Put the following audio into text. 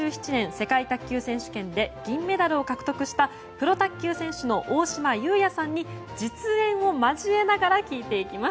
世界卓球選手権で銀メダルを獲得したプロ卓球選手の大島祐哉さんに実演を交えながら聞いていきます。